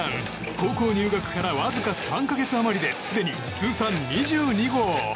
高校入学からわずか３か月余りですでに通算２２号。